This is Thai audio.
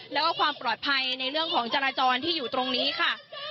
แล้วก็ความปลอดภัยในเรื่องของจราจรที่อยู่ตรงนี้ค่ะ